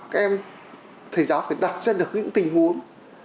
các em thầy giáo phải đặt ra được những tình huống